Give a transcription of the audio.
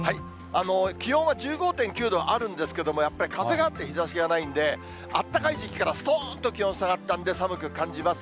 気温は１５．９度あるんですけれども、やっぱり風があって日ざしがないんで、暖かい時期からすとんと気温下がったんで寒く感じます。